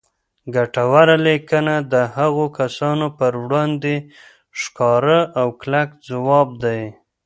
ګټوره لیکنه د هغو کسانو پر وړاندې ښکاره او کلک ځواب دی